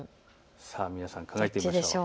皆さん、考えてみましょう。